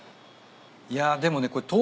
いやでもねこれ豆腐が。